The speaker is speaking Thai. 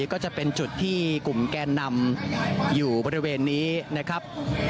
ก็จะเป็นจุดที่กลุ่มแกนนำอยู่บริเวณนี้นะครับ